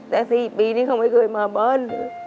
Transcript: แต่๔ปีนี้เขาไม่เคยมาบ้าน